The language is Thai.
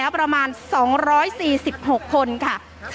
ประมาณ๒๔๖คนค่ะ